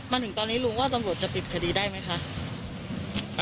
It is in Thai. มาถึงตอนนี้ลุงว่าตำรวจจะปิดคดีได้ไหมคะ